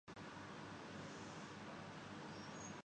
ھر یہ سوچتا شاید ان کو ابھی تک کوئی کام